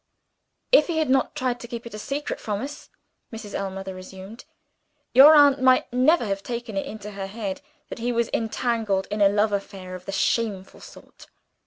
"If he had not tried to keep it secret from us," Mrs. Ellmother resumed, "your aunt might never have taken it into her head that he was entangled in a love affair of the shameful sort.